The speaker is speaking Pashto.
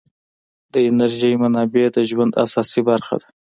د انرژۍ منابع د ژوند اساسي برخه ده.